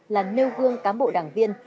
là nêu gương cám bộ đảng viên